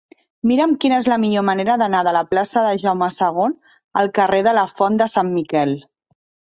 Mira'm quina és la millor manera d'anar de la plaça de Jaume II al carrer de la Font de Sant Miquel.